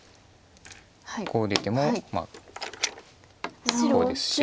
こう出てもこうですし。